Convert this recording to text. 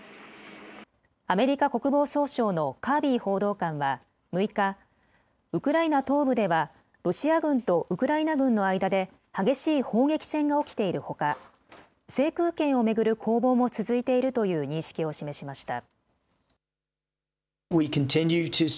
アメリカ国防総省のカービー報道官は６日、ウクライナ東部ではロシア軍とウクライナ軍の間で激しい砲撃戦が起きているほか制空権を巡る攻防も続いているという認識を示しました。